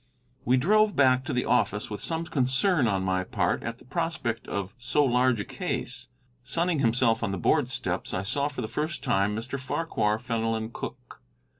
We drove back to the office with some concern on my part at the prospect of so large a case. Sunning himself on the board steps, I saw for the first time Mr. Farquhar Fenelon Cooke.